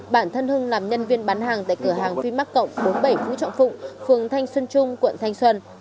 bản thân hưng làm nhân viên bán hàng tại cửa hàng fimark cộng bốn mươi bảy vũ trọng phụng phường thanh xuân trung quận thanh xuân